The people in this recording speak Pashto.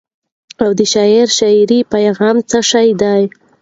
او د شاعر د شعر پیغام څه شی دی؟.